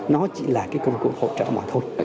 nó chỉ là cái công cụ hỗ trợ mọi người thôi